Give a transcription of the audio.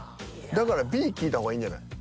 だからＢ聞いた方がいいんじゃない？